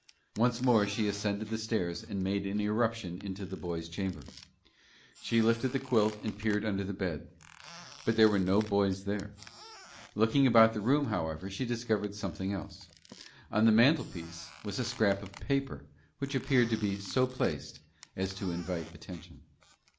Once more she ascended the stairs and made an irruption into the boy's chamber. She lifted the quilt, and peered under the bed. But there were no boys there. Looking about the room, however, she discovered something else. On the mantelpiece was a scrap of paper, which appeared to be so placed as to invite attention.